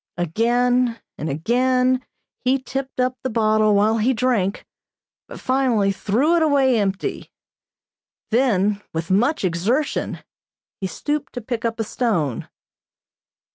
Again and again he tipped up the bottle while he drank, but finally threw it away empty. Then, with much exertion, he stooped to pick up a stone.